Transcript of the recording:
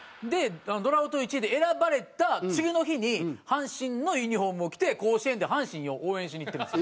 ドラフト１位で選ばれた次の日に阪神のユニホームを着て甲子園で阪神を応援しに行ってます。